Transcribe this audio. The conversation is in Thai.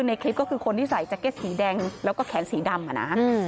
ในคลิปก็คือคนที่ใส่แจ็คเก็ตสีแดงแล้วก็แขนสีดำอ่ะนะ